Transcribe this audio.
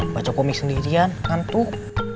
baca komik sendirian ngantuk